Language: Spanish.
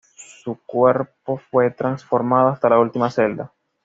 Su cuerpo fue transformado hasta la última celda.